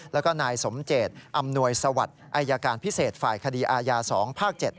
แล้วก็นายสมเจตอำนวยสวัสดิ์อายการพิเศษฝ่ายคดีอาญา๒ภาค๗